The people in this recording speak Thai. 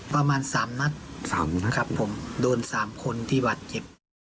ประมาณสามนัดครับผมโดนสามคนที่บัตรเจ็บ